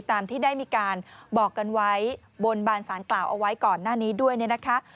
ตามที่ได้มีการบอกกันไว้บนบานสารกล่าวเอาไว้ก่อนหน้านี้ด้วยเนี่ยนะคะ